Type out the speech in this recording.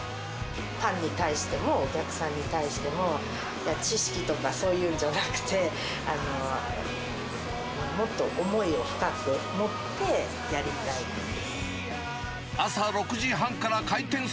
パンに対しても、お客さんに対しても、知識とか、そういうのじゃなくて、もっと思いを深く持ってやりたいです。